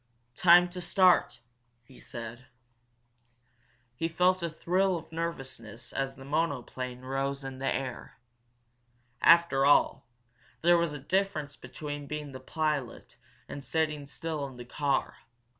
"Time to start!" he said. He felt a thrill of nervousness as the monoplane rose into the air. After all, there was a difference between being the pilot and sitting still in the car.